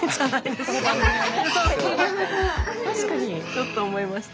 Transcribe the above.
ちょっと思いました。